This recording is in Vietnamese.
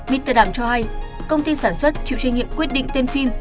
mr đàm cho hay công ty sản xuất chịu trách nhiệm quyết định tên phim